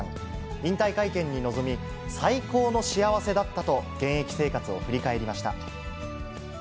引退会見に臨み、最高の幸せだったと、現役生活を振り返りました。